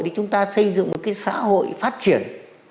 thì chúng ta xây dựng một cái xã hội phát triển